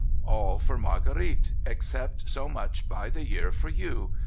" All for Marguerite, except so much by the year for you.